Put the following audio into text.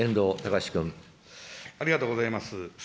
ありがとうございます。